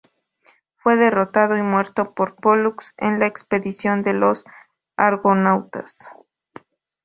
Fue derrotado y muerto por Pólux en la expedición de los argonautas.